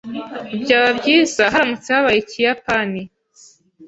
Byaba byiza haramutse habaye ikiyapani